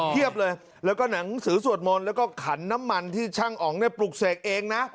เลยแล้วก็หนังสือสวดมนต์แล้วก็ขันน้ำมันที่ช่างอ๋องเนี่ยปลุกเสกเองนะ